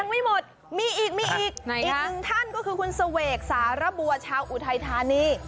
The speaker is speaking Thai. ไม่หมดมีอีกมีอีกอีกหนึ่งท่านก็คือคุณเสวกสารบัวชาวอุทัยธานี